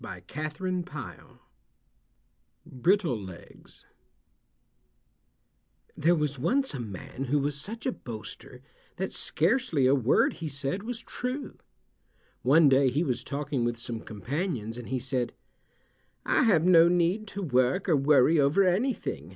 BRITTLE LEGS There was once a man who was such a boaster that scarcely a word he said was true. One day he was talking with some companions and he said, "I have no need to work or worry over anything.